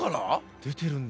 出てるんだ。